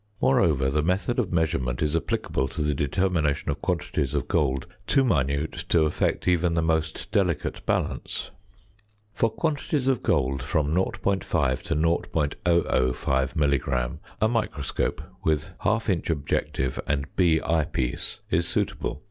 Moreover, the method of measurement is applicable to the determination of quantities of gold too minute to affect even the most delicate balance. For quantities of gold of from .5 to .005 milligram a microscope with 1/2 inch objective and B eyepiece is suitable.